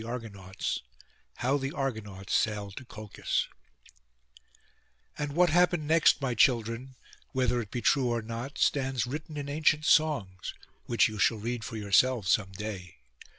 PART IV HOW THE ARGONAUTS SAILED TO COLCHIS And what happened next, my children, whether it be true or not, stands written in ancient songs, which you shall read for yourselves some day.